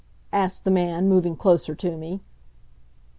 asked the man, moving closer to me.